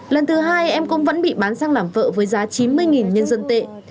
lần thứ hai em cũng vẫn bị bán sang làm vợ với giá chín mươi nhân dân tệ